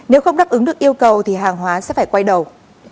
nếu không đáp ứng được yêu cầu thì hàng hóa sẽ phải quay đầu